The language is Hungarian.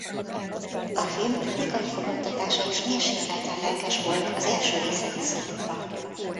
A film kritikai fogadtatása is mérsékelten lelkes volt az első részhez viszonyítva.